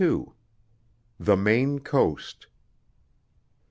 THE MAINE COAST.